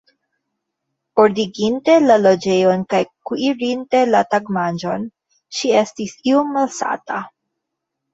Ordiginte la loĝejon kaj kuirinte la tagmanĝon, ŝi estis iom malsata.